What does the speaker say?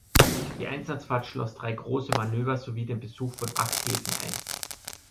Die Einsatzfahrt schloss drei große Manöver sowie den Besuch von acht Häfen ein.